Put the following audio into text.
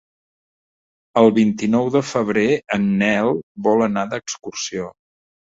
El vint-i-nou de febrer en Nel vol anar d'excursió.